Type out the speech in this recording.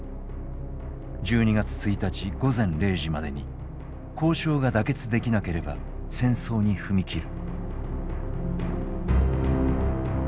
１２月１日午前０時までに交渉が妥結できなければ戦争に踏み切る」。